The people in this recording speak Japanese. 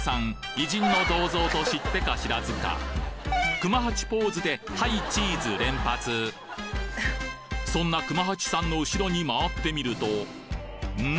偉人の銅像と知ってか知らずか熊八ポーズで「はいチーズ」連発そんな熊八さんの後ろに回ってみるとん？